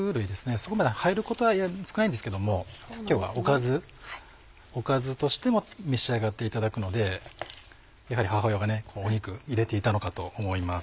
そこまで入ることは少ないんですけども今日はおかずとしても召し上がっていただくのでやはり母親が肉入れていたのかと思います。